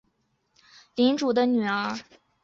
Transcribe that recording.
西西莉亚是帕罗斯岛领主的女儿。